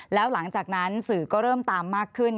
แล้วหลังจากนั้นสื่อก็เริ่มตามมากขึ้น